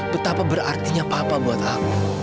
betapa berartinya papa buat aku